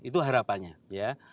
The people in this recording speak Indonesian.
itu harapannya ya